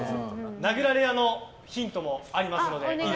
殴られ屋のヒントもありますので。